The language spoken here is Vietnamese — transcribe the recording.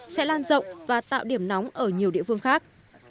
sẽ lan rộng và tạo điểm nóng ở nhiều địa phương khác